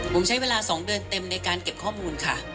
ผมใช้เวลา๒เดือนเต็มในการเก็บข้อมูลค่ะ